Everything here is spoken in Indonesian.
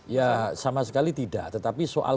ya sama sekali tidak tetapi soal